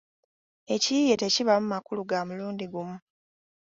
Ekiyiiye tekibaamu makulu ga mulundi gumu